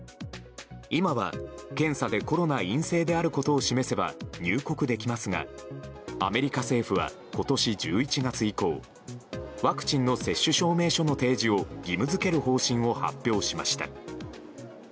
今は、検査でコロナ陰性であることを示せば入国できますがアメリカ政府は今年１１月以降ワクチンの接種証明書の提示を義務付ける方針を発表しました。